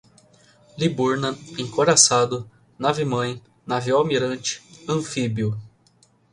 Liburna, encouraçado, nave-mãe, navio-almirante, anfíbio